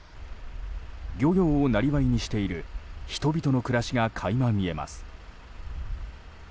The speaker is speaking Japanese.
漁業をなりわいにしている人々の暮らしが垣間見えます。